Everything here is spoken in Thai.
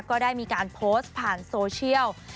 ก็ได้มีการโพสต์ผ่านโซเชียล